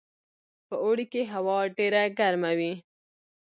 په اوړي کې هوا ډیره ګرمه وي